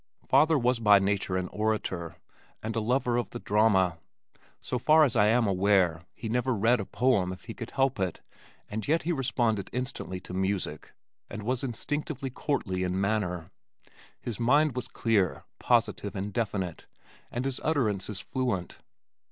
Father was by nature an orator and a lover of the drama. So far as I am aware, he never read a poem if he could help it, and yet he responded instantly to music, and was instinctively courtly in manner. His mind was clear, positive and definite, and his utterances fluent.